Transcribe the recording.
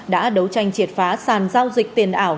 đã đấu tranh triệt phá sàn giao dịch tiền ảo